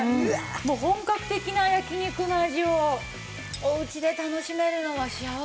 もう本格的な焼き肉の味をおうちで楽しめるのは幸せですね。